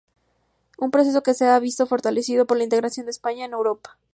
Un proceso que se ha visto fortalecido por el integración de España en Europa.